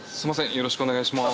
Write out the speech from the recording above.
よろしくお願いします。